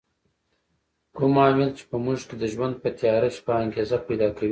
کوم عامل چې په موږ کې د ژوند په تیاره شپه انګېزه پیدا کوي.